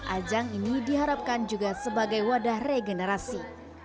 ajang ini diharapkan juga sebagai wadah regenerasi